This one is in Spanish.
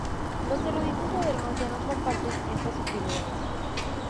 Los eruditos modernos ya no comparten estas opiniones.